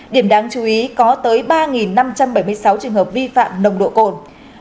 điểm đáng chú ý có tới ba năm trăm bảy mươi sáu trường hợp vi phạm nồng độ cồn